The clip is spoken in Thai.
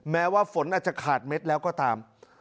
แม้ว่าฝนอาจจะขาดเม็ดแล้วก็ตาม